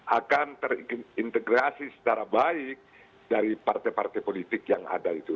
akan terintegrasi secara baik dari partai partai politik yang ada itu